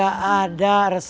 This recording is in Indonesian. gak ada resepnya